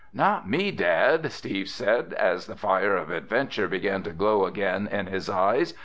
"Not me, Dad," Steve said, as the fire of adventure began to glow again in his eyes.